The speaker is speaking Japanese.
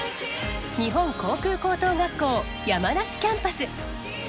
日本航空高等学校山梨キャンパス。